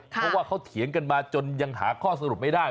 เพราะว่าเขาเถียงกันมาจนยังหาข้อสรุปไม่ได้